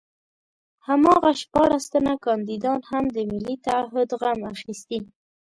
هماغه شپاړس تنه کاندیدان هم د ملي تعهُد غم اخیستي.